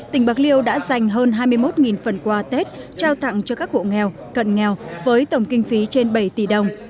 tỉnh bạc liêu đã dành hơn hai mươi một phần quà tết trao tặng cho các hộ nghèo cận nghèo với tổng kinh phí trên bảy tỷ đồng